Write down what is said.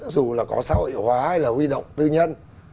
dù là có xã hội hóa hay là huy động tư nhân